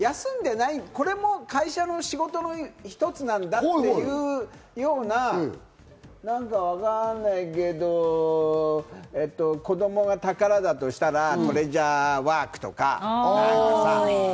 これも会社の仕事の一つなんだっていうような、何かわからないけど、子供が宝だとしたら、トレジャーワークとか。